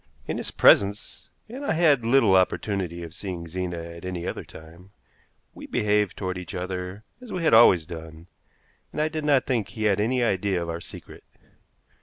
In his presence and I had little opportunity of seeing Zena at any other time we behaved toward each other as we had always done, and I did not think he had any idea of our secret.